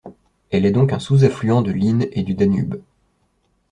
Elle est donc un sous-affluent de l'Inn et du Danube.